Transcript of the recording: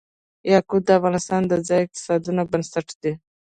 یاقوت د افغانستان د ځایي اقتصادونو بنسټ دی.